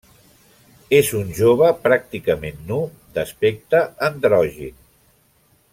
És un jove pràcticament nu d'aspecte androgin.